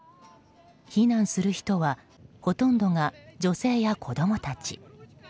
避難する人は、ほとんどが女性や子供たち。